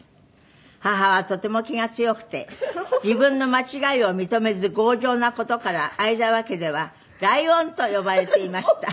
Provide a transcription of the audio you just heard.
「母はとても気が強くて自分の間違いを認めず強情な事から相澤家では“ライオン”と呼ばれていました」